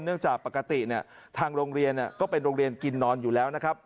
จากปกติทางโรงเรียนก็เป็นโรงเรียนกินนอนอยู่แล้วนะครับ